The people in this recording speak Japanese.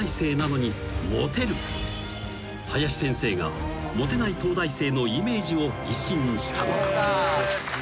［林先生がモテない東大生のイメージを一新したのだ］